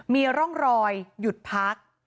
มีร่องรอยหยุดพัก